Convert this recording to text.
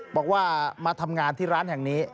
บอกว่ามาทำงานที่ร้านแห่งนี้